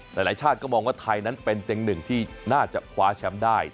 หลายชาติก็มองว่าไทยนั้นเป็นเต็งหนึ่งที่น่าจะคว้าแชมป์ได้